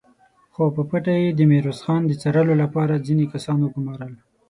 خو په پټه يې د ميرويس خان د څارلو له پاره ځينې کسان وګومارل!